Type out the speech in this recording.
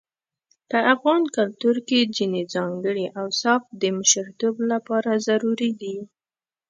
په افغان کلتور کې ځينې ځانګړي اوصاف د مشرتوب لپاره ضروري دي.